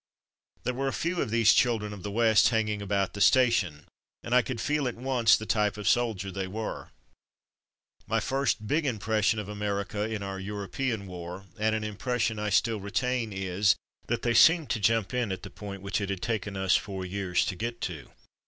There were a few of these children of the West hanging about the station, and I could feel at once the type of soldier they were. My first big impression of America in our European war, and an impression I still retain, is: that they seemed to jump in at the point which it had taken us four years to get to.